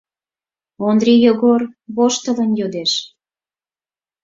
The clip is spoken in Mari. — Ондрий Йогор воштылын йодеш.